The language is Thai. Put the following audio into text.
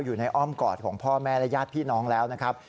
อ้อมกอดของพ่อแม่และญาติพี่น้องแล้วนะครับ